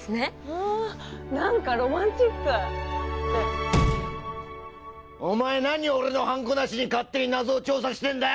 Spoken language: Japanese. わあ何かロマンチックねっお前何俺のハンコなしに勝手に謎を調査してんだ？